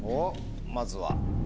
まずは。